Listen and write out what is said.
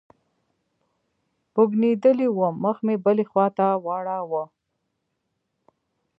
بوږنېدلى وم مخ مې بلې خوا ته واړاوه.